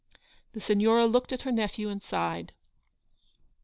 The Signora looked at her nephew and sighed.